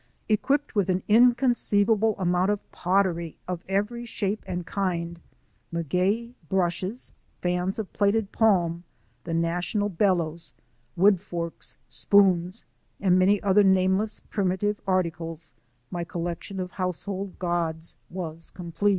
Equipped with an inconceivable amount of pottery of every shape and kind, maguey brushes, fans of plaited palm — the national bel lows— wooden forks, spoons, and many other nameless primitive arti cles, my collection of household gods was complete.